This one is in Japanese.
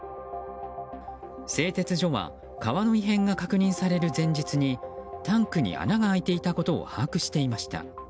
製鉄所は川の異変が確認される前日にタンクに穴が開いていたことを把握していました。